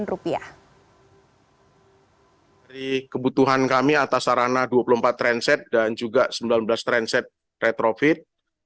dari kebutuhan kami atas sarana dua puluh empat transit dan juga sembilan belas tren set retrofit